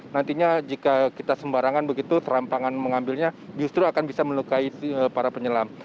nantinya jika kita sembarangan begitu serampangan mengambilnya justru akan bisa melukai para penyelam